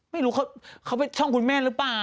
ไม่รู้เขาไปช่องคุณแม่หรือเปล่า